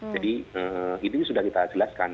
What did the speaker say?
jadi itu sudah kita jelaskan